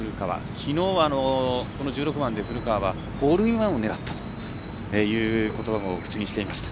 きのうはこの１６番で古川はホールインワンを狙ったということばも口にしていました。